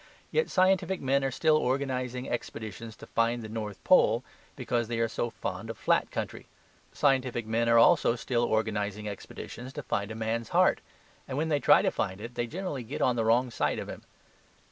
Yet scientific men are still organizing expeditions to find the North Pole, because they are so fond of flat country. Scientific men are also still organizing expeditions to find a man's heart; and when they try to find it, they generally get on the wrong side of him.